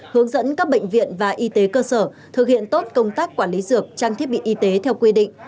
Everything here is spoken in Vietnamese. hướng dẫn các bệnh viện và y tế cơ sở thực hiện tốt công tác quản lý dược trang thiết bị y tế theo quy định